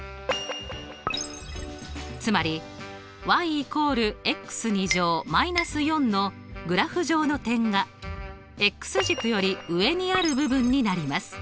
つまり＝−４のグラフ上の点が軸より上にある部分になります。